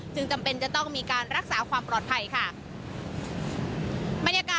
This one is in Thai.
จำเป็นจะต้องมีการรักษาความปลอดภัยค่ะ